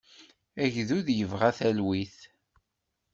Agdud yebɣa talwit.